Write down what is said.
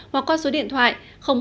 hoặc qua số điện thoại